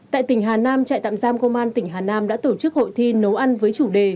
tại tỉnh hà nam trại tạm giam công an tỉnh hà nam đã tổ chức hội thi nấu ăn với chủ đề